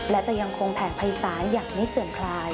และจะยังคงแผนภัยศาลอย่างไม่เสื่อมคลาย